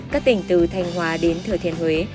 các tỉnh từ thanh hóa đến thừa thiên huế